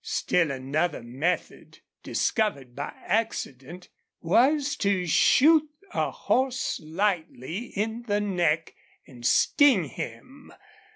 Still another method, discovered by accident, was to shoot a horse lightly in the neck and sting him.